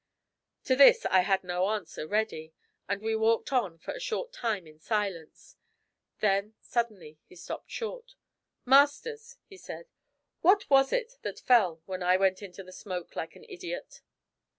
To this I had no answer ready, and we walked on for a short time in silence. Then suddenly he stopped short. 'Masters,' he asked, 'what was it that fell when I went into the smoke, like an idiot?'